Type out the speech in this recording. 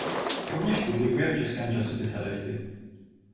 Rovněž publikuje v českém časopise Listy.